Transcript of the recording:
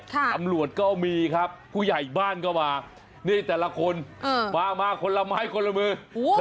ตำรวจก็มีครับผู้ใหญ่บ้านก็มานี่แต่ละคนมามาคนละไม้คนละมือ